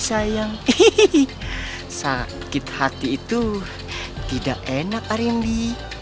sakit hati itu tidak enak arindi